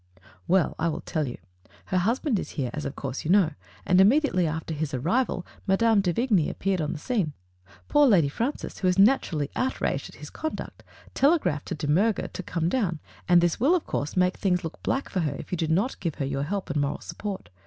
"Well, I will tell you. Her husband is here, as of course you know, and immediately after his arrival Mme. de Vigny appeared on the scene. Poor Lady Francis, who is naturally outraged at his conduct, telegraphed to De Miirger to come down, and this will, of course, make things look black for her if you do not give her your help and moral support.